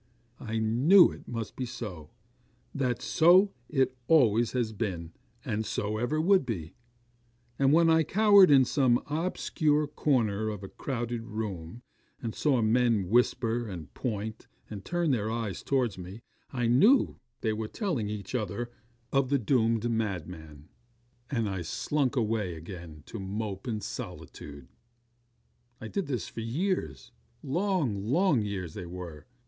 I knew it must be so: that so it always had been, and so it ever would be: and when I cowered in some obscure corner of a crowded room, and saw men whisper, and point, and turn their eyes towards me, I knew they were telling each other of the doomed madman; and I slunk away again to mope in solitude. 'I did this for years; long, long years they were.